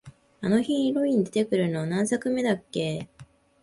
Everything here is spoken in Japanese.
あのヒロイン出てくるの、何作目だっけ？